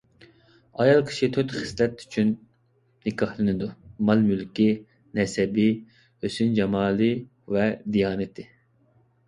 ئايال كىشى تۆت خىسلەت ئۈچۈن نىكاھلىنىدۇ: مال-مۈلكى، نەسەبى، ھۆسن-جامالى ۋە دىيانىتى.